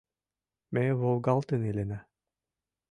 Ме волгалтын илена.